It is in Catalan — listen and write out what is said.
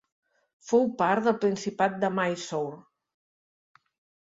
Fou part del Principat de Mysore.